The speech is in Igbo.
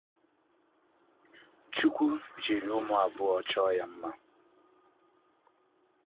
Chukwu jiri umu abuo cho ya nma.